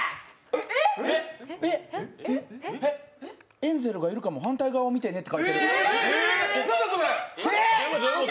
エンゼルがいるかも反対側を見てねって書いてある。